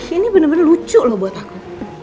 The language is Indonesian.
ini bener bener lucu loh buat aku